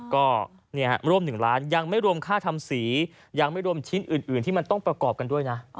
ก็ร่วม๑ล้านยังไม่รวมค่าทำสียังไม่รวมชิ้นอื่นที่มันต้องประกอบกันด้วยนะ